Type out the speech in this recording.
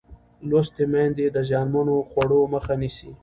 لوستې میندې د زیانمنو خوړو مخه نیسي.